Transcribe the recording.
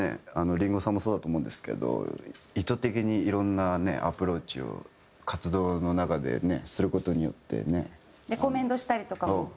林檎さんもそうだと思うんですけど意図的にいろんなねアプローチを活動の中でねする事によってね。とかね。